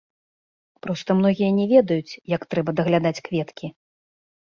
Проста многія не ведаюць, як трэба даглядаць кветкі.